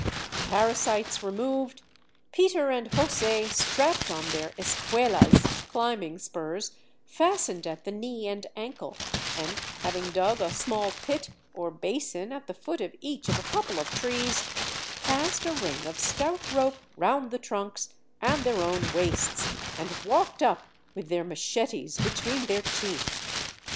"The parasites removed, Pete and José strapped on their espuelas (climbing spurs), fastened at the knee and ankle, and having dug a small pit or basin at the foot of each of a couple of trees, passed a ring of stout rope round the trunks and their own waists, and walked up with their machetes between their teeth.